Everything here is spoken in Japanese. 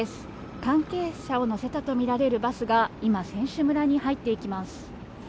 関係者を乗せたとみられるバスが今、選手村に入っていきます。